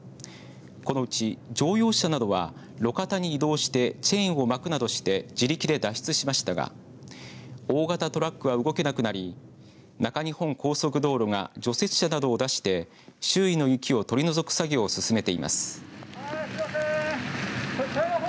このうち乗用車などは路肩に移動してチェーンを巻くなどして自力で脱出しましたが大型トラックは動けなくなり中日本高速道路が除雪車などを出して周囲の雪を取り除く作業を進めています。